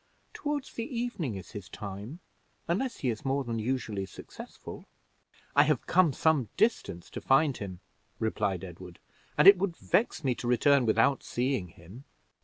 "Toward the evening is his time, unless he is more than usually successful." "I have come some distance to find him," replied Edward; "and it would vex me to return without seeing him.